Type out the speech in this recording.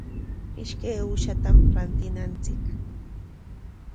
Ishkay uushatam rantinanchik.